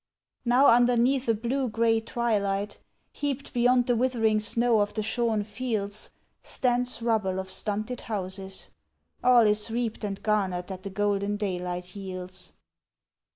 Now underneath a blue grey twilight, heaped Beyond the withering snow of the shorn fields Stands rubble of stunted houses; all is reaped And garnered that the golden daylight yields.